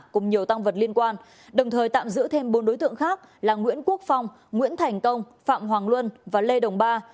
cùng nhiều tăng vật liên quan đồng thời tạm giữ thêm bốn đối tượng khác là nguyễn quốc phong nguyễn thành công phạm hoàng luân và lê đồng ba